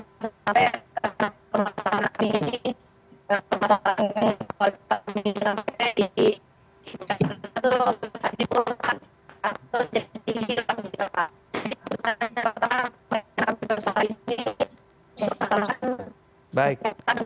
jadi saya ingin tanya pertama mengenai perusahaan ini